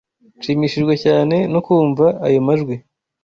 Nshimishijwe cyane no kumva ayo majwi,